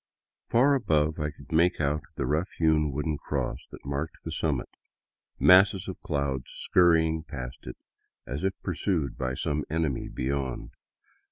Far above I could make out the rough hewn wooden cross that marked the summit, masses of clouds scurrying past it, as if pursued by some enemy beyond.